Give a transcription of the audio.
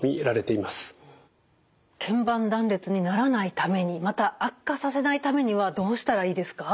けん板断裂にならないためにまた悪化させないためにはどうしたらいいですか？